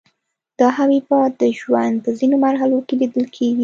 دا حبیبات د ژوند په ځینو مرحلو کې لیدل کیږي.